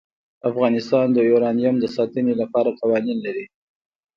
افغانستان د یورانیم د ساتنې لپاره قوانین لري.